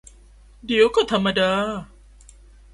เดี๋ยวก็ธรรมดา